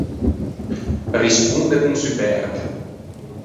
Risponde con superbia.